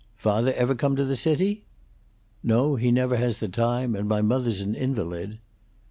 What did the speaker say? "Father ever come to the city?" "No; he never has the time; and my mother's an invalid."